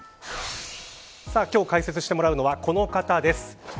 今日解説してもらうのはこの方です。